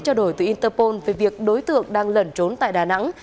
trao đổi từ interpol về việc đối tượng đang lẩn trốn tại đà nẵng